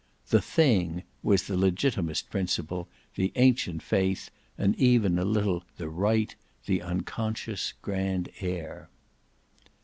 "The thing" was the legitimist principle, the ancient faith and even a little the right, the unconscious, grand air.